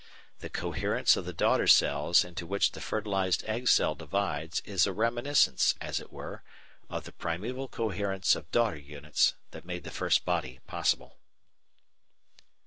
The coherence of the daughter cells into which the fertilised egg cell divides is a reminiscence, as it were, of the primeval coherence of daughter units that made the first body possible.